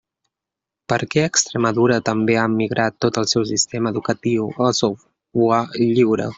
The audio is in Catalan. Perquè Extremadura també ha migrat tot el seu sistema educatiu al software lliure.